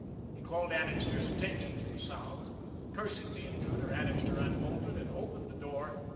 He called Annixter's attention to the sound. Cursing the intruder, Annixter unbolted and opened the door.